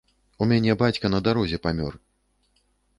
У мяне бацька на дарозе памёр!